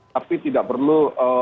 tapi tidak perlu